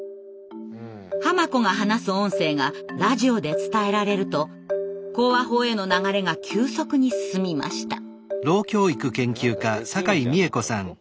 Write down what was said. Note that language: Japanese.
濱子が話す音声がラジオで伝えられると口話法への流れが急速に進みました。